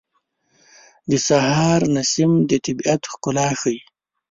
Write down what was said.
د سهار نسیم د طبیعت ښکلا ښیي.